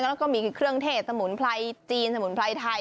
แล้วก็มีเครื่องเทศสมุนไพรจีนสมุนไพรไทย